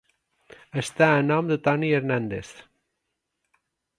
Està a nom de Toni Hernández.